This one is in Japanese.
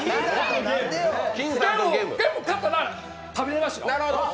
勝ったら食べれますよ。